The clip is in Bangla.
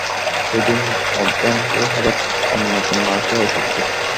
সেইদিন মধ্যাহ্নে হঠাৎ অন্নপূর্ণা আসিয়া উপস্থিত।